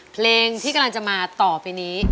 เพลงที่กำลังจะมาต่อไปนี้